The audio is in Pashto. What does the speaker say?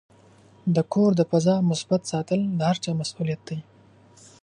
د کور د فضا مثبت ساتل د هر چا مسؤلیت دی.